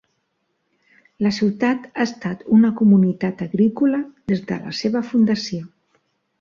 La ciutat ha estat una comunitat agrícola des de la seva fundació.